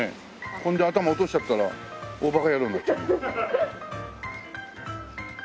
ほんで頭落としちゃったら大バカ野郎になっちゃう。